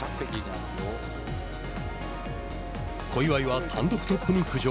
小祝は単独トップに浮上。